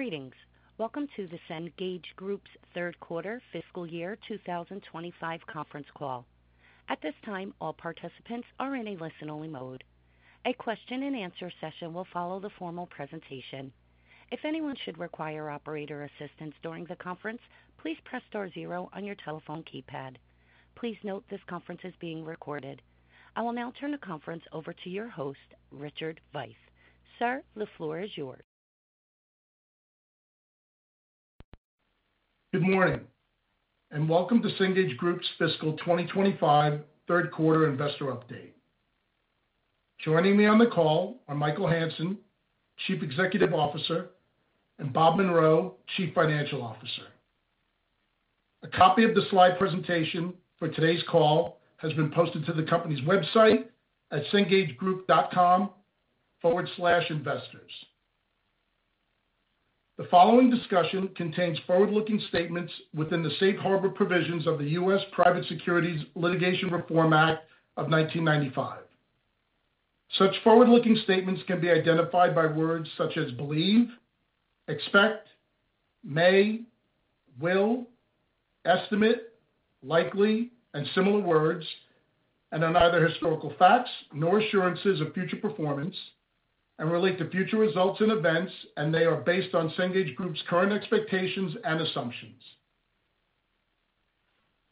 Greetings. Welcome to the Cengage Group's third quarter, fiscal year 2025 conference call. At this time, all participants are in a listen-only mode. A question-and-answer session will follow the formal presentation. If anyone should require operator assistance during the conference, please press Star zero on your telephone keypad. Please note this conference is being recorded. I will now turn the conference over to your host, Richard Veith. Sir, the floor is yours. Good morning and welcome to Cengage Group's fiscal 2025 third quarter investor update. Joining me on the call are Michael Hansen CEO, and Bob Munro, CFO. A copy of the slide presentation for today's call has been posted to the company's website at cengagegroup.com/investors. The following discussion contains forward-looking statements within the safe harbor provisions of the U.S. Private Securities Litigation Reform Act of 1995. Such forward-looking statements can be identified by words such as believe, expect, may, will, estimate, likely, and similar words, and are neither historical facts nor assurances of future performance and relate to future results and events, and they are based on Cengage Group's current expectations and assumptions.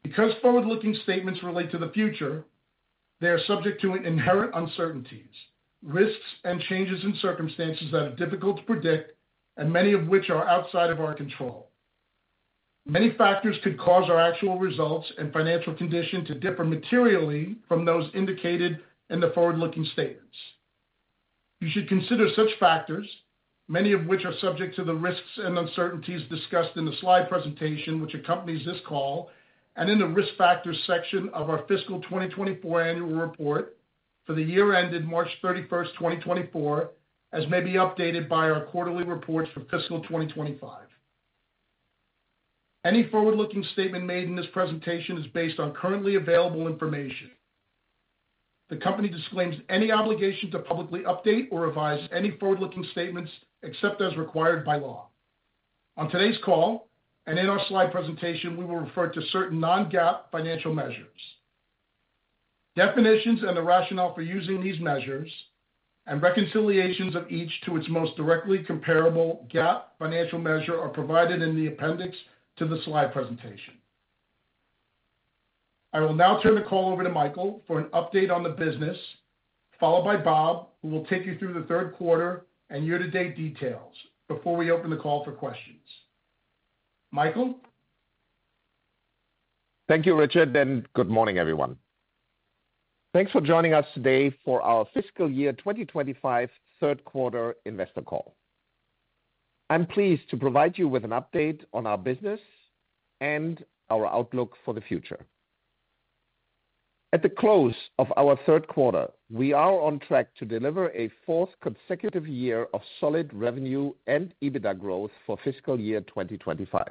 Because forward-looking statements relate to the future, they are subject to inherent uncertainties, risks, and changes in circumstances that are difficult to predict, and many of which are outside of our control. Many factors could cause our actual results and financial condition to differ materially from those indicated in the forward-looking statements. You should consider such factors, many of which are subject to the risks and uncertainties discussed in the slide presentation which accompanies this call and in the risk factors section of our fiscal 2024 annual report for the year ended March 31st, 2024, as may be updated by our quarterly reports for fiscal 2025. Any forward-looking statement made in this presentation is based on currently available information. The company disclaims any obligation to publicly update or revise any forward-looking statements except as required by law. On today's call and in our slide presentation, we will refer to certain non-GAAP financial measures. Definitions and the rationale for using these measures and reconciliations of each to its most directly comparable GAAP financial measure are provided in the appendix to the slide presentation. I will now turn the call over to Michael for an update on the business, followed by Bob, who will take you through the third quarter and year-to-date details before we open the call for questions. Michael. Thank you, Richard, and good morning, everyone. Thanks for joining us today for our fiscal year 2025 third quarter investor call. I'm pleased to provide you with an update on our business and our outlook for the future. At the close of our third quarter, we are on track to deliver a fourth consecutive year of solid revenue and EBITDA growth for fiscal year 2025.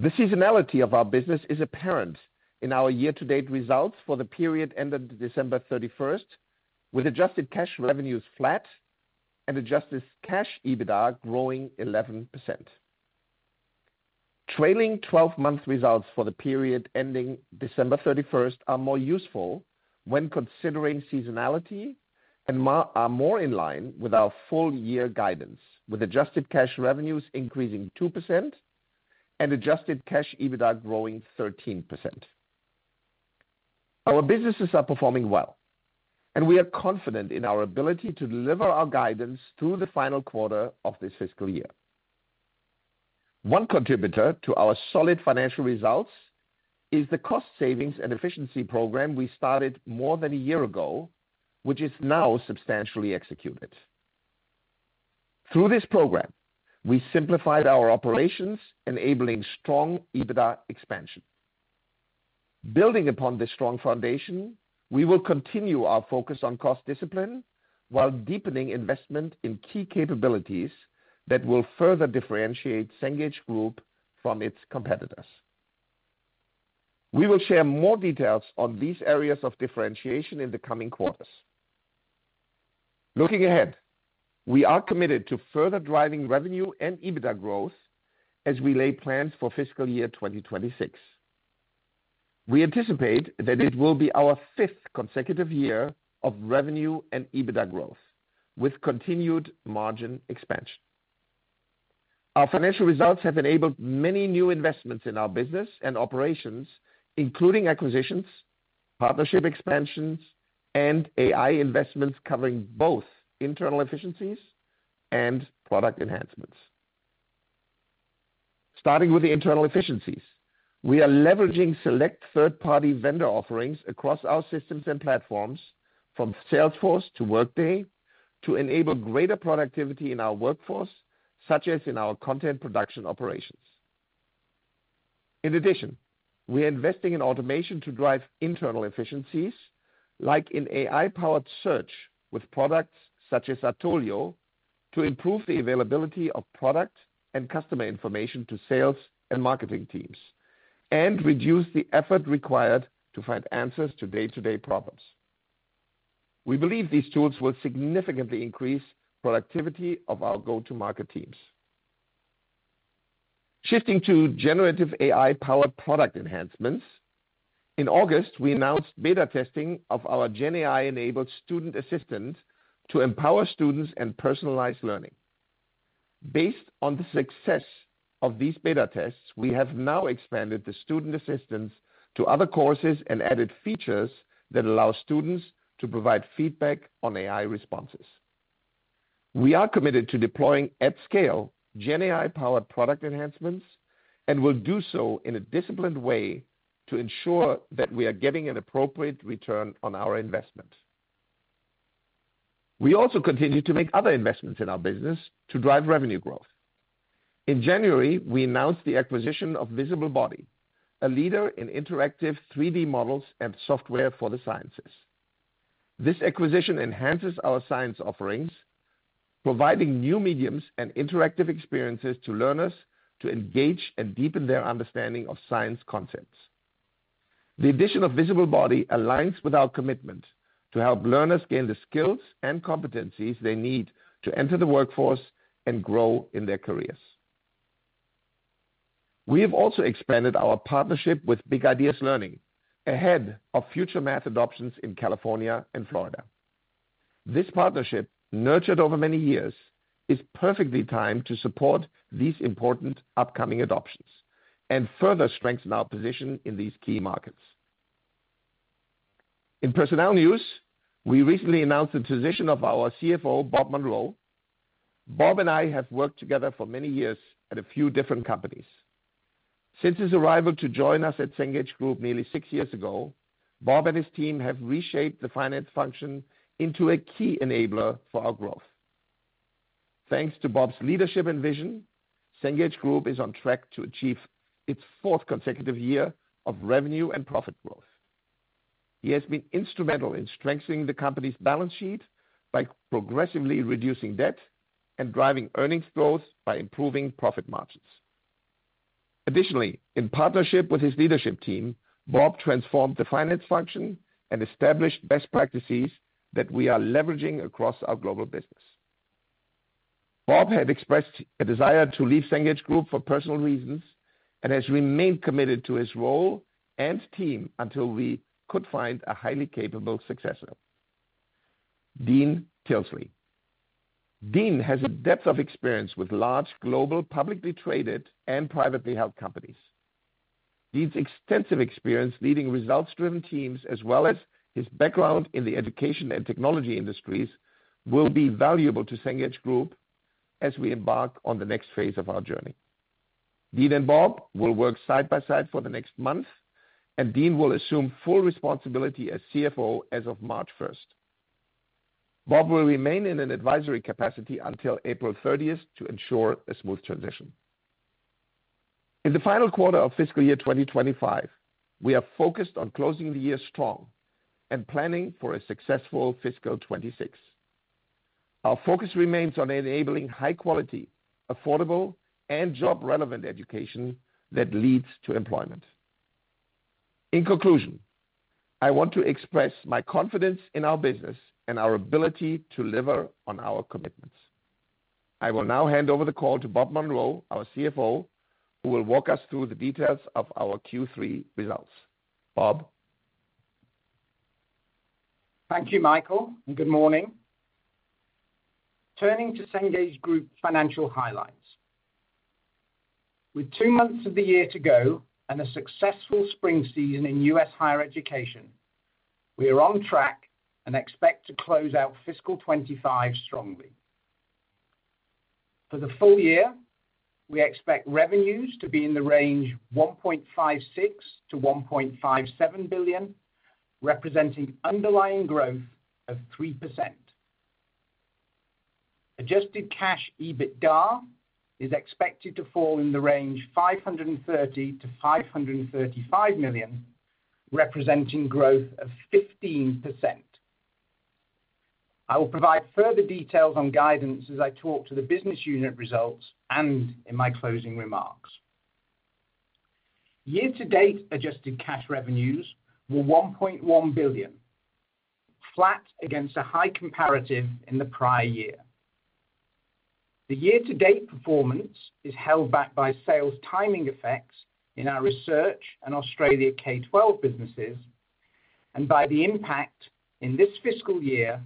The seasonality of our business is apparent in our year-to-date results for the period ended December 31st, with adjusted cash revenues flat and adjusted cash EBITDA growing 11%. Trailing 12-month results for the period ending December 31st are more useful when considering seasonality and are more in line with our full-year guidance, with adjusted cash revenues increasing 2% and adjusted cash EBITDA growing 13%. Our businesses are performing well, and we are confident in our ability to deliver our guidance through the final quarter of this fiscal year. One contributor to our solid financial results is the cost savings and efficiency program we started more than a year ago, which is now substantially executed. Through this program, we simplified our operations, enabling strong EBITDA expansion. Building upon this strong foundation, we will continue our focus on cost discipline while deepening investment in key capabilities that will further differentiate Cengage Group from its competitors. We will share more details on these areas of differentiation in the coming quarters. Looking ahead, we are committed to further driving revenue and EBITDA growth as we lay plans for fiscal year 2026. We anticipate that it will be our fifth consecutive year of revenue and EBITDA growth with continued margin expansion. Our financial results have enabled many new investments in our business and operations, including acquisitions, partnership expansions, and AI investments covering both internal efficiencies and product enhancements. Starting with the internal efficiencies, we are leveraging select third-party vendor offerings across our systems and platforms, from Salesforce to Workday, to enable greater productivity in our workforce, such as in our content production operations. In addition, we are investing in automation to drive internal efficiencies, like in AI-powered search with products such as Atolio, to improve the availability of product and customer information to sales and marketing teams and reduce the effort required to find answers to day-to-day problems. We believe these tools will significantly increase the productivity of our go-to-market teams. Shifting to generative AI-powered product enhancements, in August, we announced beta testing of our GenAI-enabled Student Assistant to empower students and personalize learning. Based on the success of these beta tests, we have now expanded the Student Assistant to other courses and added features that allow students to provide feedback on AI responses. We are committed to deploying at scale GenAI-powered product enhancements and will do so in a disciplined way to ensure that we are getting an appropriate return on our investment. We also continue to make other investments in our business to drive revenue growth. In January, we announced the acquisition of Visible Body, a leader in interactive 3D models and software for the sciences. This acquisition enhances our science offerings, providing new mediums and interactive experiences to learners to engage and deepen their understanding of science concepts. The addition of Visible Body aligns with our commitment to help learners gain the skills and competencies they need to enter the workforce and grow in their careers. We have also expanded our partnership with Big Ideas Learning ahead of future math adoptions in California and Florida. This partnership, nurtured over many years, is perfectly timed to support these important upcoming adoptions and further strengthen our position in these key markets. In personnel news, we recently announced the transition of our CFO, Bob Munro. Bob and I have worked together for many years at a few different companies. Since his arrival to join us at Cengage Group nearly six years ago, Bob and his team have reshaped the finance function into a key enabler for our growth. Thanks to Bob's leadership and vision, Cengage Group is on track to achieve its fourth consecutive year of revenue and profit growth. He has been instrumental in strengthening the company's balance sheet by progressively reducing debt and driving earnings growth by improving profit margins. Additionally, in partnership with his leadership team, Bob transformed the finance function and established best practices that we are leveraging across our global business. Bob had expressed a desire to leave Cengage Group for personal reasons and has remained committed to his role and team until we could find a highly capable successor, Dean Tilsley. Dean has a depth of experience with large global publicly traded and privately held companies. Dean's extensive experience leading results-driven teams, as well as his background in the education and technology industries, will be valuable to Cengage Group as we embark on the next phase of our journey. Dean and Bob will work side-by-side for the next month, and Dean will assume full responsibility as CFO as of March 1st. Bob will remain in an advisory capacity until April 30th to ensure a smooth transition. In the final quarter of fiscal year 2025, we are focused on closing the year strong and planning for a successful fiscal 2026. Our focus remains on enabling high-quality, affordable, and job-relevant education that leads to employment. In conclusion, I want to express my confidence in our business and our ability to deliver on our commitments. I will now hand over the call to Bob Munro, our CFO, who will walk us through the details of our Q3 results. Bob. Thank you, Michael, and good morning. Turning to Cengage Group's financial highlights. With two months of the year to go and a successful spring season in U.S. Higher Education, we are on track and expect to close out fiscal 2025 strongly. For the full year, we expect revenues to be in the range of $1.56 billion-$1.57 billion, representing underlying growth of 3%. Adjusted cash EBITDA is expected to fall in the range of $530 million-$535 million, representing growth of 15%. I will provide further details on guidance as I talk to the business unit results and in my closing remarks. Year-to-date adjusted cash revenues were $1.1 billion, flat against a high comparative in the prior year. The year-to-date performance is held back by sales timing effects in our esearch and Australia K-12 businesses and by the impact in this fiscal year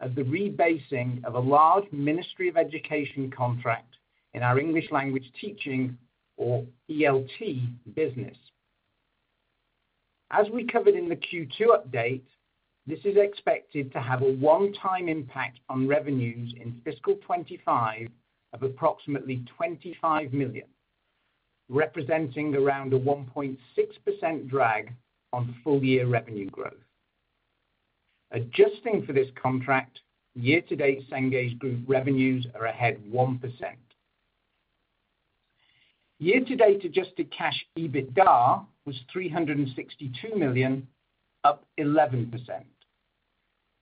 of the rebasing of a large Ministry of Education contract in our English Language Teaching, or ELT, business. As we covered in the Q2 update, this is expected to have a one-time impact on revenues in fiscal 2025 of approximately $25 million, representing around a 1.6% drag on full-year revenue growth. Adjusting for this contract, year-to-date Cengage Group revenues are ahead 1%. Year-to-date adjusted cash EBITDA was $362 million, up 11%.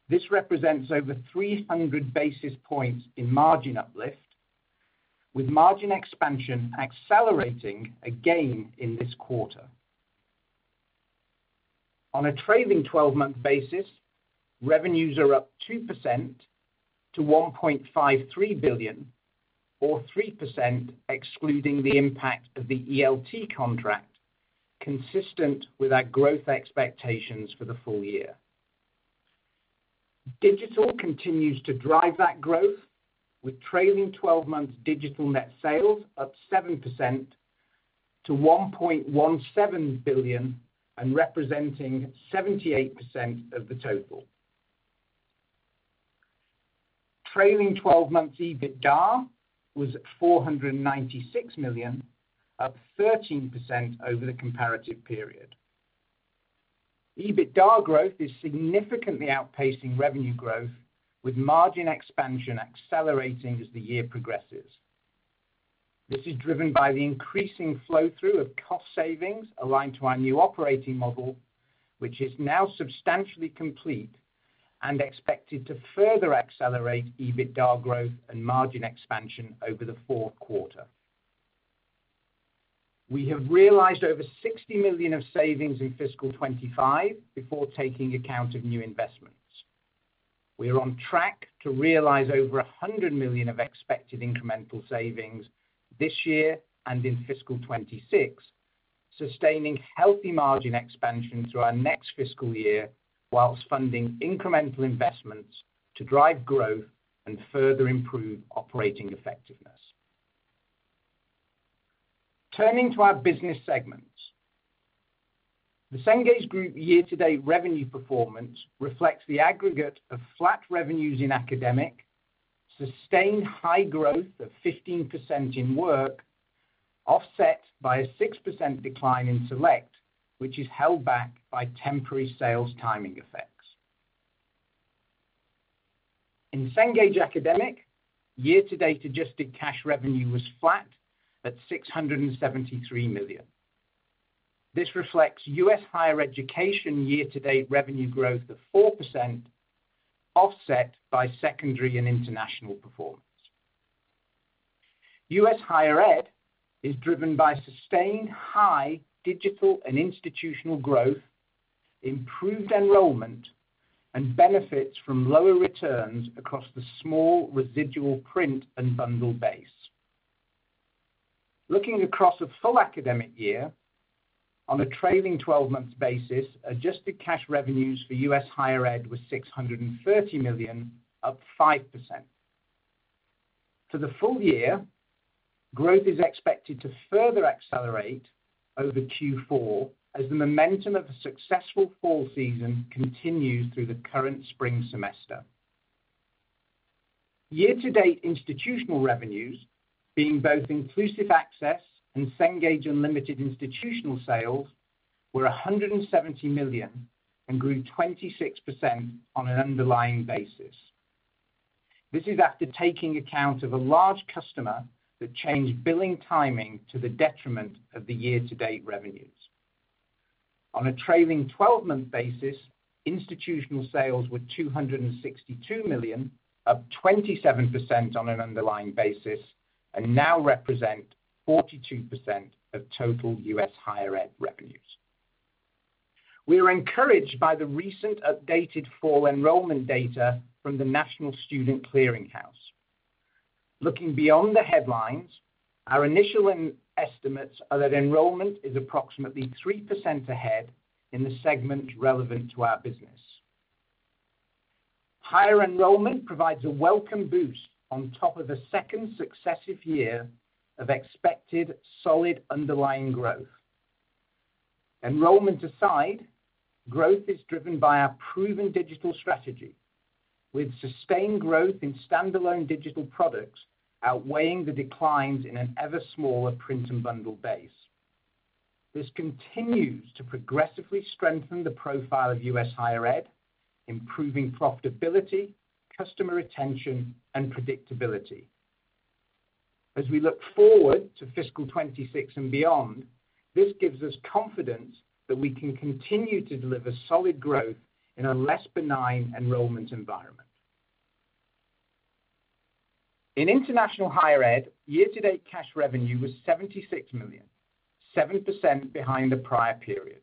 This represents over 300 basis points in margin uplift, with margin expansion accelerating again in this quarter. On a trailing 12-month basis, revenues are up 2% to $1.53 billion, or 3% excluding the impact of the ELT contract, consistent with our growth expectations for the full year. Digital continues to drive that growth, with trailing 12-month digital net sales up 7% to $1.17 billion and representing 78% of the total. Trailing 12-month EBITDA was $496 million, up 13% over the comparative period. EBITDA growth is significantly outpacing revenue growth, with margin expansion accelerating as the year progresses. This is driven by the increasing flow-through of cost savings aligned to our new operating model, which is now substantially complete and expected to further accelerate EBITDA growth and margin expansion over the fourth quarter. We have realized over $60 million of savings in fiscal 2025 before taking account of new investments. We are on track to realize over $100 million of expected incremental savings this year and in fiscal 2026, sustaining healthy margin expansion through our next fiscal year while funding incremental investments to drive growth and further improve operating effectiveness. Turning to our business segments, the Cengage Group year-to-date revenue performance reflects the aggregate of flat revenues in Academic, sustained high growth of 15% in work, offset by a 6% decline in select, which is held back by temporary sales timing effects. In Cengage Academic, year-to-date adjusted cash revenue was flat at $673 million. This reflects U.S. Higher Education year-to-date revenue growth of 4%, offset by Secondary and International Performance. U.S. Higher Ed is driven by sustained high digital and institutional growth, improved enrollment, and benefits from lower returns across the small residual print and bundle base. Looking across a full Academic year, on a trailing 12-month basis, adjusted cash revenues for U.S. Higher Ed were $630 million, up 5%. For the full year, growth is expected to further accelerate over Q4 as the momentum of a successful fall season continues through the current spring semester. Year-to-date institutional revenues, being both Inclusive Access and Cengage Unlimited institutional sales, were $170 million and grew 26% on an underlying basis. This is after taking account of a large customer that changed billing timing to the detriment of the year-to-date revenues. On a trailing 12-month basis, institutional sales were $262 million, up 27% on an underlying basis, and now represent 42% of total U.S. Higher Ed revenues. We are encouraged by the recent updated fall enrollment data from the National Student Clearinghouse. Looking beyond the headlines, our initial estimates are that enrollment is approximately 3% ahead in the segment relevant to our business. Higher enrollment provides a welcome boost on top of a second successive year of expected solid underlying growth. Enrollment aside, growth is driven by our proven digital strategy, with sustained growth in standalone digital products outweighing the declines in an ever smaller print and bundle base. This continues to progressively strengthen the profile of U.S. Higher Ed, improving profitability, customer retention, and predictability. As we look forward to fiscal 2026 and beyond, this gives us confidence that we can continue to deliver solid growth in a less benign enrollment environment. In International Higher Ed, year-to-date cash revenue was $76 million, 7% behind the prior period.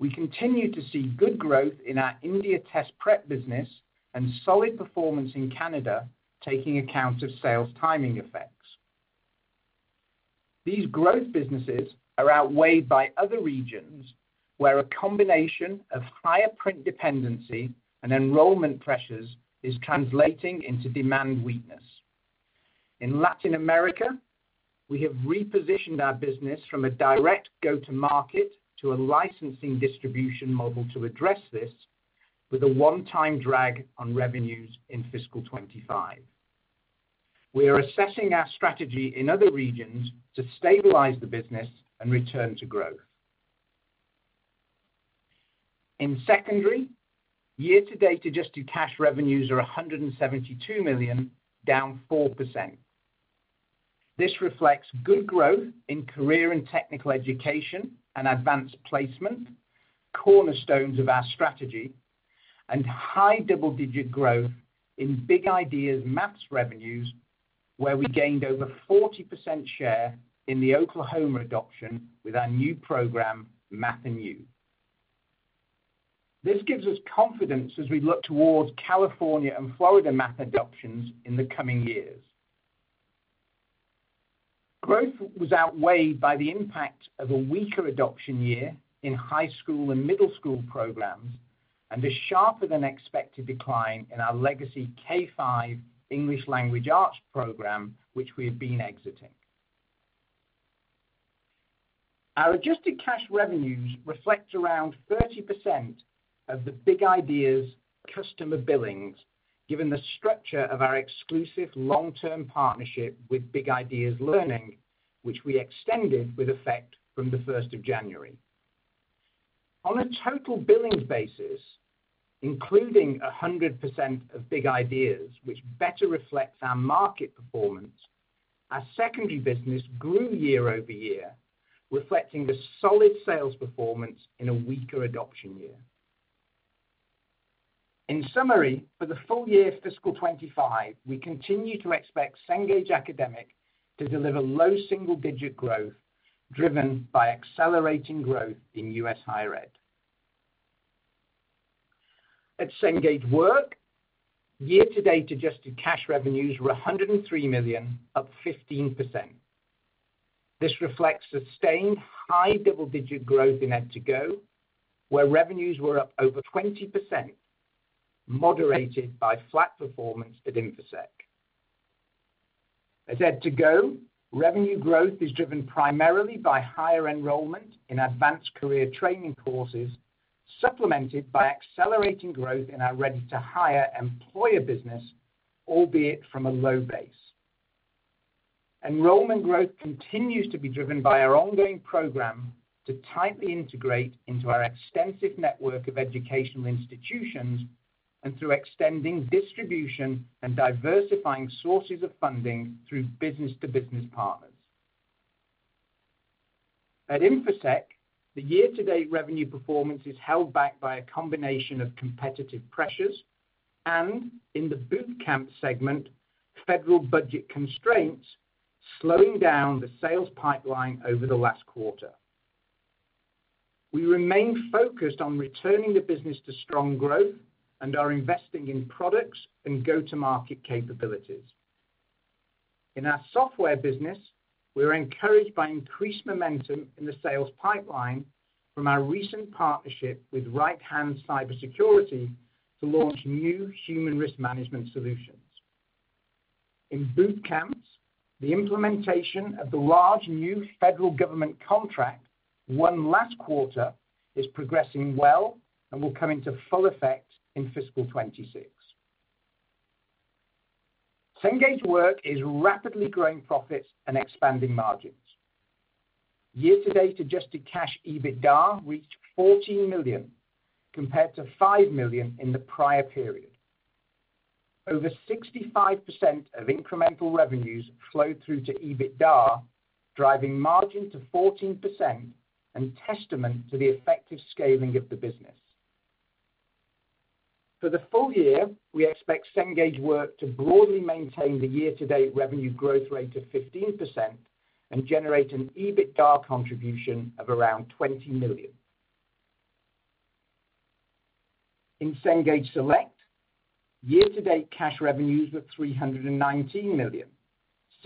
We continue to see good growth in our India test prep business and solid performance in Canada taking account of sales timing effects. These growth businesses are outweighed by other regions where a combination of higher print dependency and enrollment pressures is translating into demand weakness. In Latin America, we have repositioned our business from a direct go-to-market to a licensing distribution model to address this, with a one-time drag on revenues in fiscal 2025. We are assessing our strategy in other regions to stabilize the business and return to growth. In Secondary, year-to-date adjusted cash revenues are $172 million, down 4%. This reflects good growth in Career and Technical Education and Advanced Placement, cornerstones of our strategy, and high double-digit growth in Big Ideas Math revenues, where we gained over 40% share in the Oklahoma adoption with our new program, Math & YOU. This gives us confidence as we look towards California and Florida math adoptions in the coming years. Growth was outweighed by the impact of a weaker adoption year in high school and middle school programs and a sharper-than-expected decline in our legacy K-5 English Language Arts program, which we have been exiting. Our adjusted cash revenues reflect around 30% of the Big Ideas customer billings, given the structure of our exclusive long-term partnership with Big Ideas Learning, which we extended with effect from the 1st of January. On a total billings basis, including 100% of Big Ideas, which better reflects our market performance, our Secondary business grew year over year, reflecting a solid sales performance in a weaker adoption year. In summary, for the full year fiscal 2025, we continue to expect Cengage Academic to deliver low single-digit growth driven by accelerating growth in U.S. Higher Ed. At Cengage Work, year-to-date adjusted cash revenues were $103 million, up 15%. This reflects sustained high double-digit growth in ed2go, where revenues were up over 20%, moderated by flat performance at Infosec. At ed2go, revenue growth is driven primarily by higher enrollment in advanced career training courses, supplemented by accelerating growth in our Ready to Hire employer business, albeit from a low base. Enrollment growth continues to be driven by our ongoing program to tightly integrate into our extensive network of educational institutions and through extending distribution and diversifying sources of funding through business-to-business partners. At Infosec, the year-to-date revenue performance is held back by a combination of competitive pressures and, in the boot camp segment, federal budget constraints, slowing down the sales pipeline over the last quarter. We remain focused on returning the business to strong growth and are investing in products and go-to-market capabilities. In our software business, we are encouraged by increased momentum in the sales pipeline from our recent partnership with Right-Hand Cybersecurity to launch new human risk management solutions. In boot camps, the implementation of the large new federal government contract won last quarter is progressing well and will come into full effect in fiscal 2026. Cengage Work is rapidly growing profits and expanding margins. Year-to-date adjusted cash EBITDA reached $14 million, compared to $5 million in the prior period. Over 65% of incremental revenues flowed through to EBITDA, driving margin to 14% and testament to the effective scaling of the business. For the full year, we expect Cengage Work to broadly maintain the year-to-date revenue growth rate of 15% and generate an EBITDA contribution of around $20 million. In Cengage Select, year-to-date cash revenues were $319 million,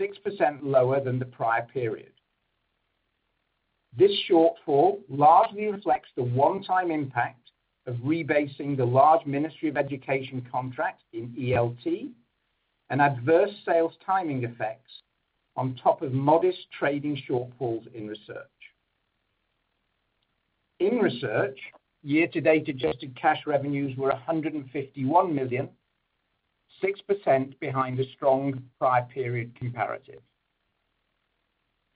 6% lower than the prior period. This shortfall largely reflects the one-time impact of rebasing the large Ministry of Education contract in ELT and adverse sales timing effects on top of modest trading shortfalls in research. In research, year-to-date adjusted cash revenues were $151 million, 6% behind the strong prior period comparative.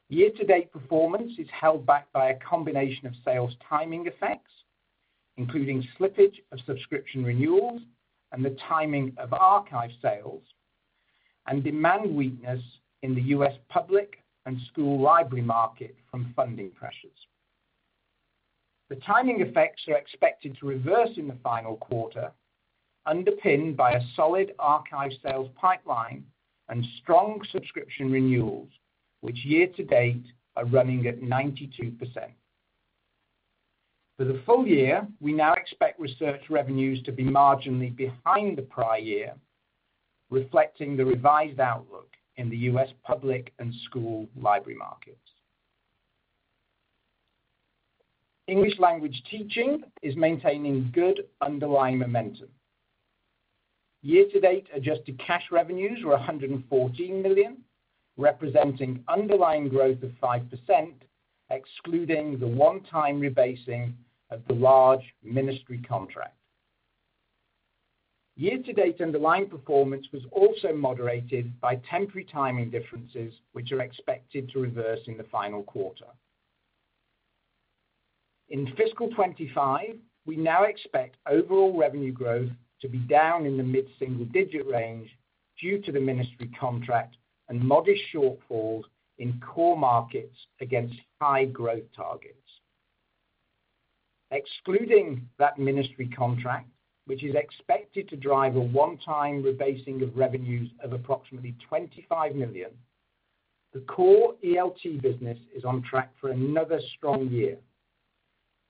Year-to-date performance is held back by a combination of sales timing effects, including slippage of subscription renewals and the timing of archive sales, and demand weakness in the U.S. public and school library market from funding pressures. The timing effects are expected to reverse in the final quarter, underpinned by a solid archive sales pipeline and strong subscription renewals, which year-to-date are running at 92%. For the full year, we now expect research revenues to be marginally behind the prior year, reflecting the revised outlook in the U.S. public and school library markets. English Language Teaching is maintaining good underlying momentum. Year-to-date adjusted cash revenues were $114 million, representing underlying growth of 5%, excluding the one-time rebasing of the large ministry contract. Year-to-date underlying performance was also moderated by temporary timing differences, which are expected to reverse in the final quarter. In fiscal 2025, we now expect overall revenue growth to be down in the mid-single-digit range due to the ministry contract and modest shortfalls in core markets against high growth targets. Excluding that ministry contract, which is expected to drive a one-time rebasing of revenues of approximately $25 million, the core ELT business is on track for another strong year.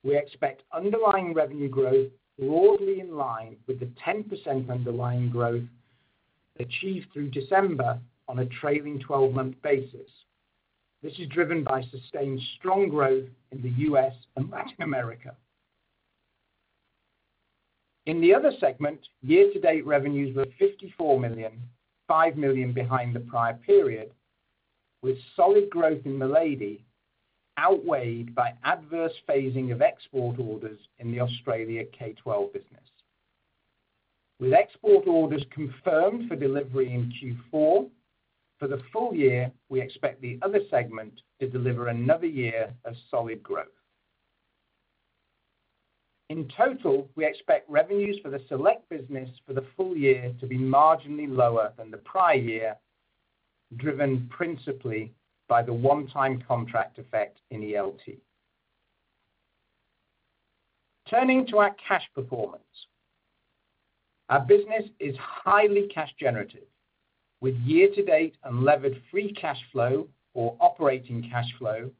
We expect underlying revenue growth broadly in line with the 10% underlying growth achieved through December on a trailing 12-month basis. This is driven by sustained strong growth in the U.S. and Latin America. In the other segment, year-to-date revenues were $54 million, $5 million behind the prior period, with solid growth in Milady, outweighed by adverse phasing of export orders in the Australia K-12 business. With export orders confirmed for delivery in Q4, for the full year, we expect the other segment to deliver another year of solid growth. In total, we expect revenues for the select business for the full year to be marginally lower than the prior year, driven principally by the one-time contract effect in ELT. Turning to our cash performance, our business is highly cash generative, with year-to-date unlevered free cash flow, or operating cash flow,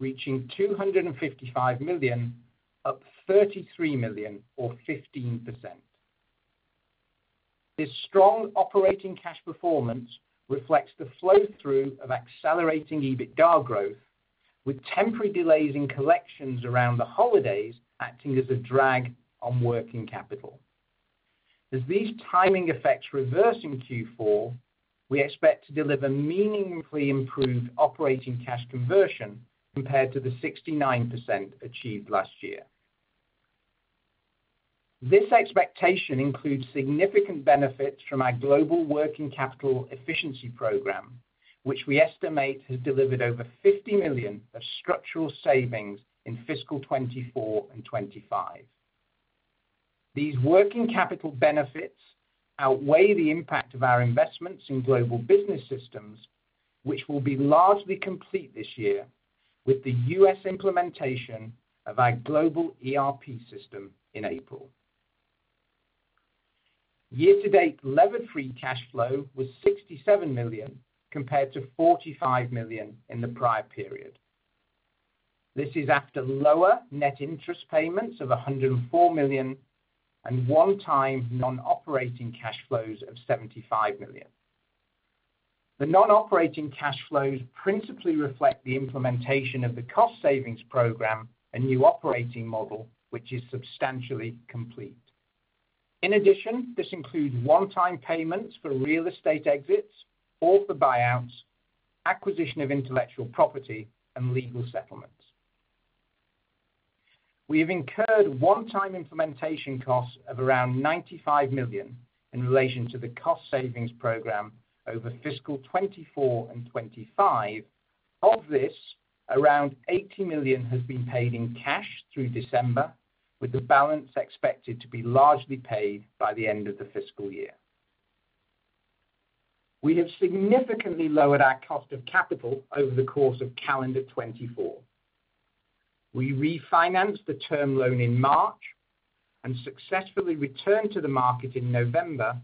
reaching $255 million, up $33 million, or 15%. This strong operating cash performance reflects the flow-through of accelerating EBITDA growth, with temporary delays in collections around the holidays acting as a drag on working capital. As these timing effects reverse in Q4, we expect to deliver meaningfully improved operating cash conversion compared to the 69% achieved last year. This expectation includes significant benefits from our global working capital efficiency program, which we estimate has delivered over $50 million of structural savings in fiscal 2024 and 2025. These working capital benefits outweigh the impact of our investments in global business systems, which will be largely complete this year with the U.S. implementation of our global ERP system in April. Year-to-date levered free cash flow was $67 million compared to $45 million in the prior period. This is after lower net interest payments of $104 million and one-time non-operating cash flows of $75 million. The non-operating cash flows principally reflect the implementation of the cost savings program and new operating model, which is substantially complete. In addition, this includes one-time payments for real estate exits, author buyouts, acquisition of intellectual property, and legal settlements. We have incurred one-time implementation costs of around $95 million in relation to the cost savings program over fiscal 2024 and 2025. Of this, around $80 million has been paid in cash through December, with the balance expected to be largely paid by the end of the fiscal year. We have significantly lowered our cost of capital over the course of calendar 2024. We refinanced the term loan in March and successfully returned to the market in November,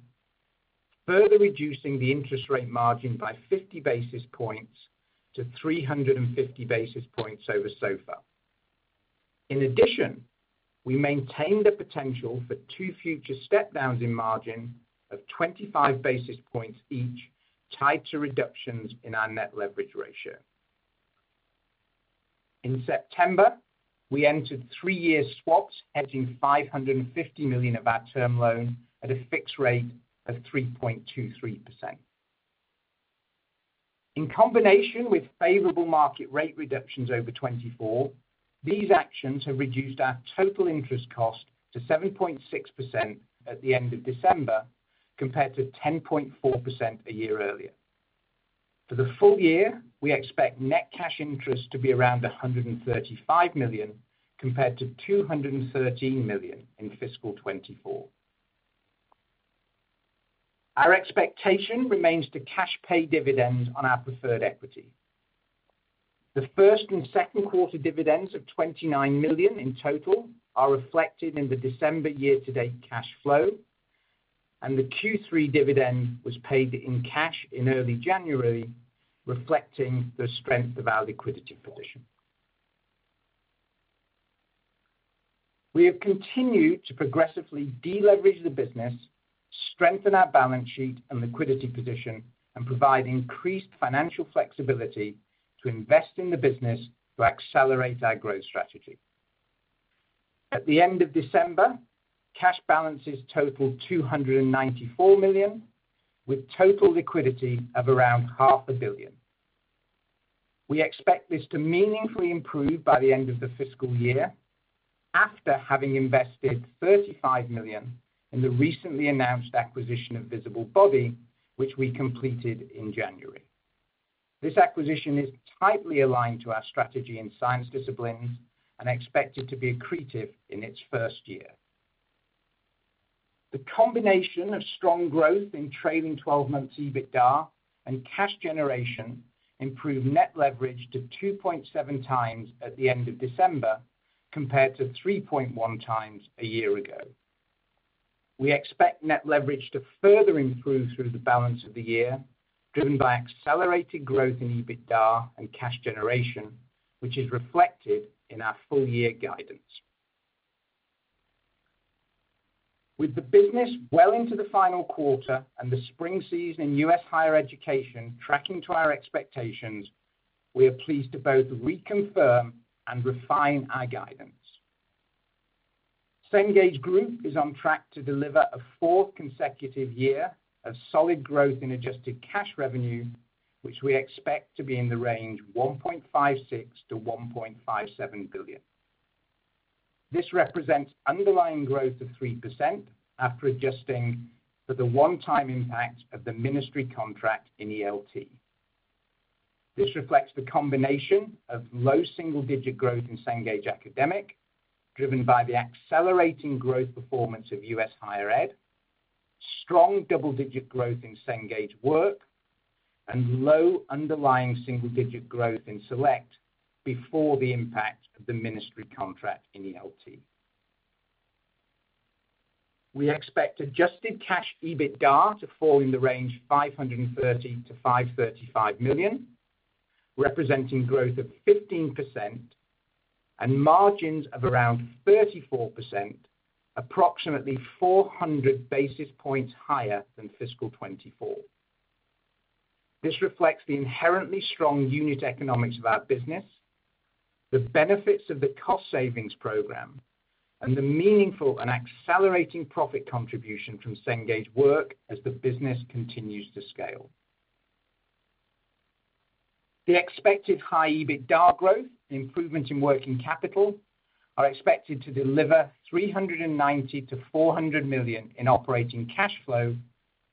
further reducing the interest rate margin by 50 basis points to 350 basis points over SOFR. In addition, we maintained the potential for two future step-downs in margin of 25 basis points each, tied to reductions in our net leverage ratio. In September, we entered three-year swaps, hedging $550 million of our term loan at a fixed rate of 3.23%. In combination with favorable market rate reductions over 2024, these actions have reduced our total interest cost to 7.6% at the end of December, compared to 10.4% a year earlier. For the full year, we expect net cash interest to be around $135 million, compared to $213 million in fiscal 2024. Our expectation remains to cash pay dividends on our preferred equity. The first and second quarter dividends of $29 million in total are reflected in the December year-to-date cash flow, and the Q3 dividend was paid in cash in early January, reflecting the strength of our liquidity position. We have continued to progressively deleverage the business, strengthen our balance sheet and liquidity position, and provide increased financial flexibility to invest in the business to accelerate our growth strategy. At the end of December, cash balances totaled $294 million, with total liquidity of around $500 million. We expect this to meaningfully improve by the end of the fiscal year, after having invested $35 million in the recently announced acquisition of Visible Body, which we completed in January. This acquisition is tightly aligned to our strategy in science disciplines and expected to be accretive in its first year. The combination of strong growth in trailing 12-month EBITDA and cash generation improved net leverage to 2.7 times at the end of December, compared to 3.1 times a year ago. We expect net leverage to further improve through the balance of the year, driven by accelerated growth in EBITDA and cash generation, which is reflected in our full-year guidance. With the business well into the final quarter and the spring season in U.S. Higher Education tracking to our expectations, we are pleased to both reconfirm and refine our guidance. Cengage Group is on track to deliver a fourth consecutive year of solid growth in adjusted cash revenue, which we expect to be in the range of $1.56billion-$1.57 billion. This represents underlying growth of 3% after adjusting for the one-time impact of the ministry contract in ELT. This reflects the combination of low single-digit growth in Cengage Academic, driven by the accelerating growth performance of U.S. Higher Ed, strong double-digit growth in Cengage Work, and low underlying single-digit growth in Select before the impact of the ministry contract in ELT. We expect adjusted cash EBITDA to fall in the range of $530 million-$535 million, representing growth of 15% and margins of around 34%, approximately 400 basis points higher than fiscal 2024. This reflects the inherently strong unit economics of our business, the benefits of the cost savings program, and the meaningful and accelerating profit contribution from Cengage Work as the business continues to scale. The expected high EBITDA growth and improvement in working capital are expected to deliver $390 million-$400 million in operating cash flow,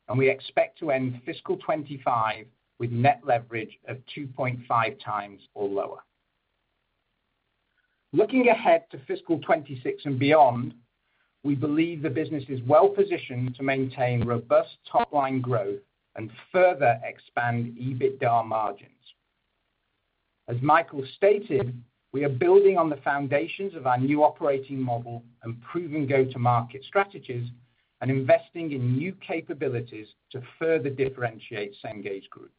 and we expect to end fiscal 2025 with net leverage of 2.5 times or lower. Looking ahead to fiscal 2026 and beyond, we believe the business is well positioned to maintain robust top-line growth and further expand EBITDA margins. As Michael stated, we are building on the foundations of our new operating model and proven go-to-market strategies and investing in new capabilities to further differentiate Cengage Group.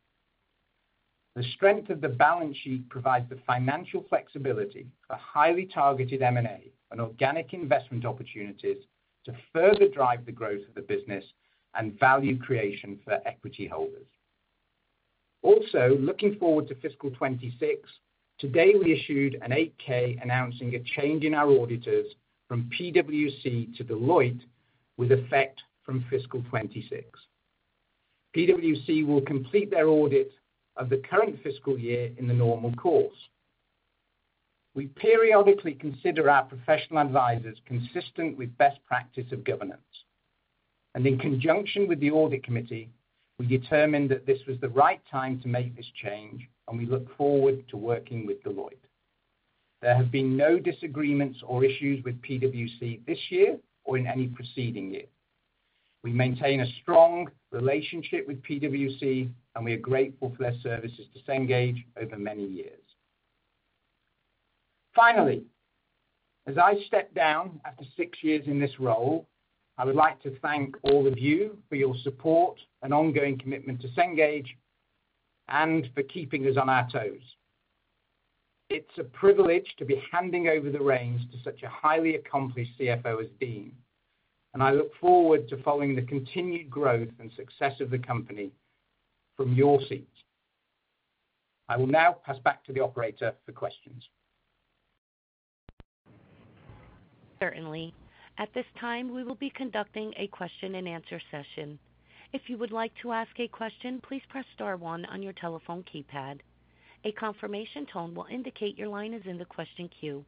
The strength of the balance sheet provides the financial flexibility for highly targeted M&A and organic investment opportunities to further drive the growth of the business and value creation for equity holders. Also, looking forward to fiscal 2026, today we issued an 8-K announcing a change in our auditors from PwC to Deloitte, with effect from fiscal 2026. PwC will complete their audit of the current fiscal year in the normal course. We periodically consider our professional advisors consistent with best practice of governance, and in conjunction with the audit committee, we determined that this was the right time to make this change, and we look forward to working with Deloitte. There have been no disagreements or issues with PwC this year or in any preceding year. We maintain a strong relationship with PwC, and we are grateful for their services to Cengage over many years. Finally, as I step down after six years in this role, I would like to thank all of you for your support and ongoing commitment to Cengage and for keeping us on our toes. It's a privilege to be handing over the reins to such a highly accomplished CFO as Dean, and I look forward to following the continued growth and success of the company from your seat. I will now pass back to the operator for questions. Certainly. At this time, we will be conducting a question-and-answer session. If you would like to ask a question, please press Star one on your telephone keypad. A confirmation tone will indicate your line is in the question queue.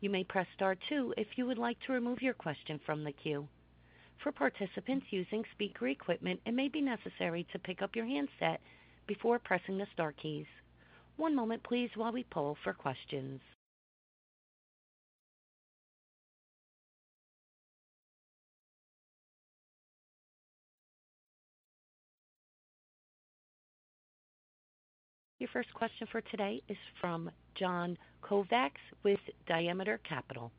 You may press Star two if you would like to remove your question from the queue. For participants using speaker equipment, it may be necessary to pick up your handset before pressing the Star keys. One moment, please, while we poll for questions. Your first question for today is from John Kovacs with Diameter Capital.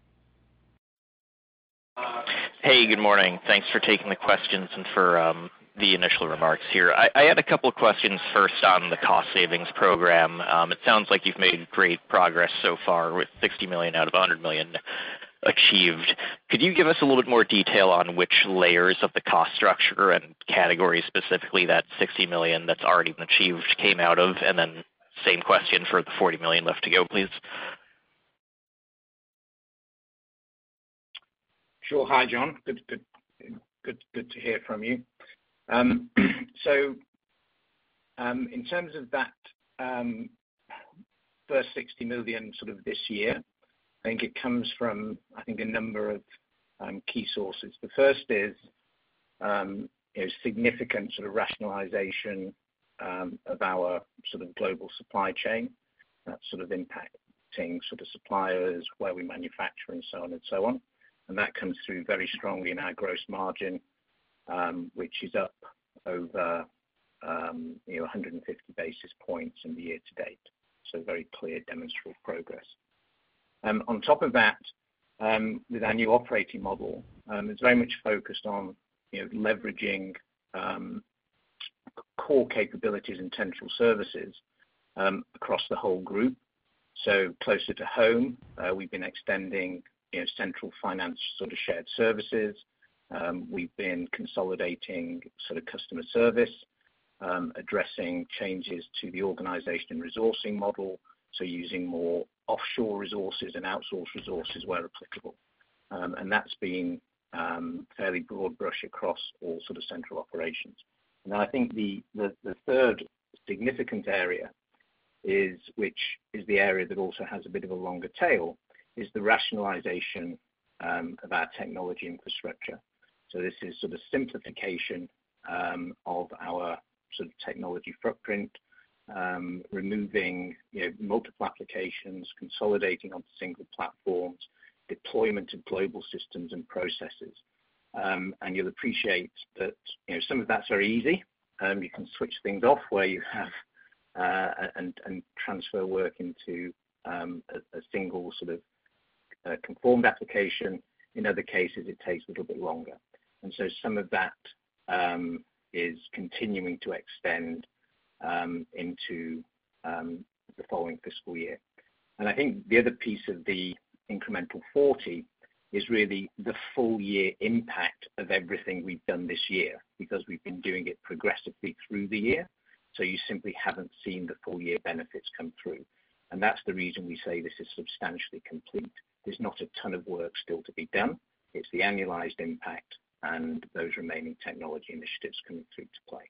Hey, good morning. Thanks for taking the questions and for the initial remarks here. I had a couple of questions first on the cost savings program. It sounds like you've made great progress so far with $60 million out of $100 million achieved. Could you give us a little bit more detail on which layers of the cost structure and category, specifically that $60 million that's already been achieved, came out of? And then same question for the $40 million left to go, please. Sure. Hi, John. Good to hear from you. So in terms of that first $60 million sort of this year, I think it comes from, I think, a number of key sources. The first is significant sort of rationalization of our sort of global supply chain, that sort of impacting sort of suppliers, where we manufacture, and so on and so on. And that comes through very strongly in our gross margin, which is up over 150 basis points in the year to date. So very clear demonstrable progress. On top of that, with our new operating model, it's very much focused on leveraging core capabilities and central services across the whole group. So closer to home, we've been extending central finance sort of shared services. We've been consolidating sort of customer service, addressing changes to the organization resourcing model, so using more offshore resources and outsource resources where applicable. And that's been fairly broad brush across all sort of central operations. And then I think the third significant area, which is the area that also has a bit of a longer tail, is the rationalization of our technology infrastructure. So this is sort of simplification of our sort of technology footprint, removing multiple applications, consolidating on single platforms, deployment of global systems and processes. And you'll appreciate that some of that's very easy. You can switch things off where you have and transfer work into a single sort of conformed application. In other cases, it takes a little bit longer. And so some of that is continuing to extend into the following fiscal year. And I think the other piece of the incremental 40 is really the full-year impact of everything we've done this year because we've been doing it progressively through the year. So you simply haven't seen the full-year benefits come through. And that's the reason we say this is substantially complete. There's not a ton of work still to be done. It's the annualized impact and those remaining technology initiatives coming through to play.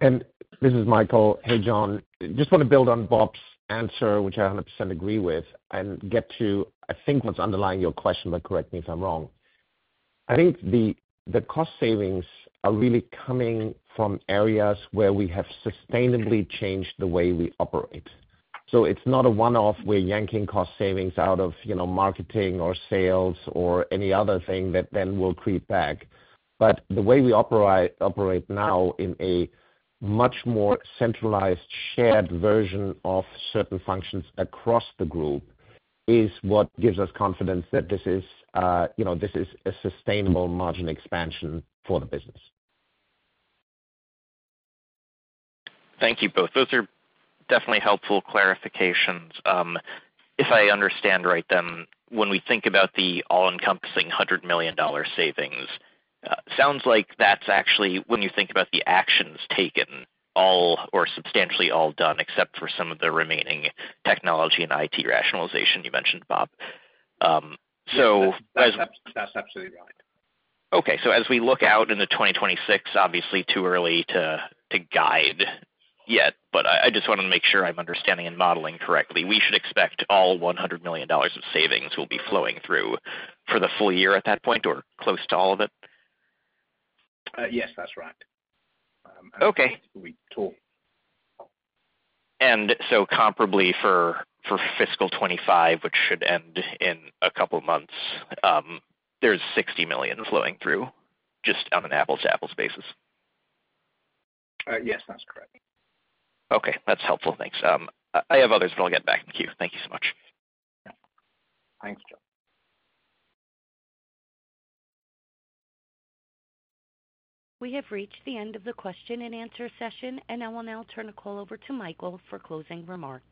And this is Michael. Hey, John. Just want to build on Bob's answer, which I 100% agree with, and get to, I think, what's underlying your question, but correct me if I'm wrong. I think the cost savings are really coming from areas where we have sustainably changed the way we operate. So it's not a one-off. We're yanking cost savings out of marketing or sales or any other thing that then will creep back. But the way we operate now in a much more centralized shared version of certain functions across the group is what gives us confidence that this is a sustainable margin expansion for the business. Thank you both. Those are definitely helpful clarifications. If I understand right, then when we think about the all-encompassing $100 million savings, it sounds like that's actually when you think about the actions taken, all or substantially all done, except for some of the remaining technology and IT rationalization you mentioned, Bob. So as. That's absolutely right. Okay. So as we look out in the 2026, obviously too early to guide yet, but I just want to make sure I'm understanding and modeling correctly. We should expect all $100 million of savings will be flowing through for the full year at that point or close to all of it? Yes, that's right. Okay. And so comparably for fiscal 2025, which should end in a couple of months, there's $60 million flowing through just on an apples-to-apples basis. Yes, that's correct. Okay. That's helpful. Thanks. I have others, but I'll get back to you. Thank you so much. Thanks, John. We have reached the end of the question-and-answer session, and I will now turn the call over to Michael for closing remarks.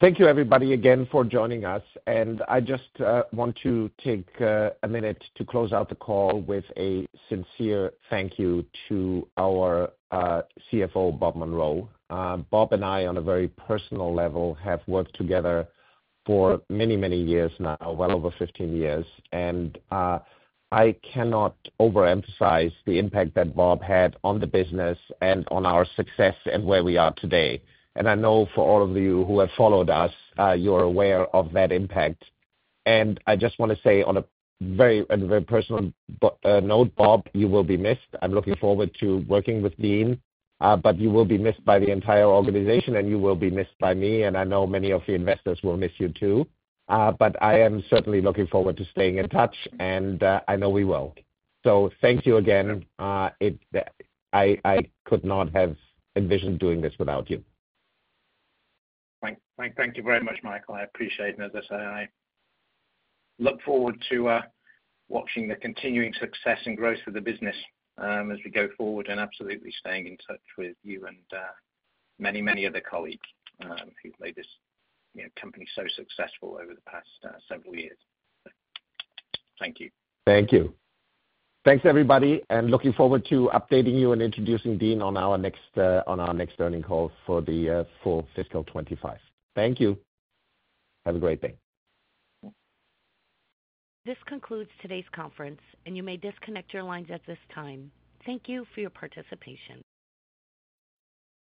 Thank you, everybody, again for joining us, and I just want to take a minute to close out the call with a sincere thank you to our CFO, Bob Munro. Bob and I, on a very personal level, have worked together for many, many years now, well over 15 years, and I cannot overemphasize the impact that Bob had on the business and on our success and where we are today, and I know for all of you who have followed us, you're aware of that impact, and I just want to say on a very personal note, Bob, you will be missed. I'm looking forward to working with Dean, but you will be missed by the entire organization, and you will be missed by me. And I know many of the investors will miss you too. But I am certainly looking forward to staying in touch, and I know we will. So thank you again. I could not have envisioned doing this without you. Thank you very much, Michael. I appreciate it. And as I say, I look forward to watching the continuing success and growth of the business as we go forward and absolutely staying in touch with you and many, many other colleagues who've made this company so successful over the past several years. Thank you. Thank you. Thanks, everybody. And looking forward to updating you and introducing Dean on our next earnings call for fiscal 2025. Thank you. Have a great day. This concludes today's conference, and you may disconnect your lines at this time. Thank you for your participation.